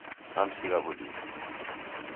Namsigha wulinyi.